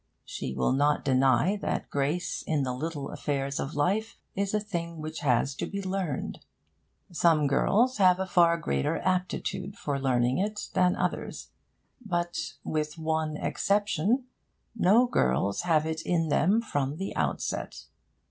She will not deny that grace in the little affairs of life is a thing which has to be learned. Some girls have a far greater aptitude for learning it than others; but, with one exception, no girls have it in them from the outset.